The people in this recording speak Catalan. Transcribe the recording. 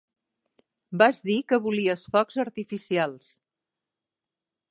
Vas dir que volies focs artificials.